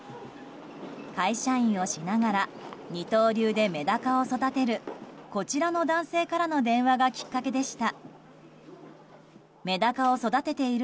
会社員をしながら二刀流でメダカを育てるこちらの男性からの電話がきっかけでした。